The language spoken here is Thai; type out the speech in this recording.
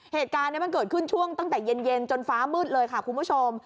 เหตุการณ์นี้มันเกิดขึ้นช่วงตั้งแต่เย็นจนฟ้ามืดเลยค่ะคุณผู้ชม